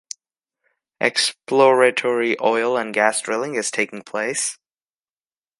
Exploratory oil and gas drilling is taking place.